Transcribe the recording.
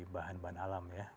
bahan bahan alam ya